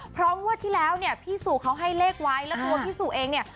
เพราะว่าที่แล้วพี่สุเขาให้เลขไว้แล้วตัวพี่สุเองเนี่ย